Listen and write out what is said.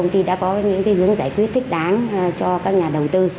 các nhà đầu tư đã có những hướng giải quyết thích đáng cho các nhà đầu tư